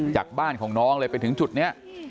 จากบ้านของน้องเลยไปถึงจุดนี้